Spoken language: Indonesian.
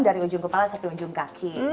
dari ujung kepala sampai ujung kaki